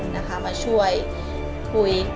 นะคะมาช่วยคุย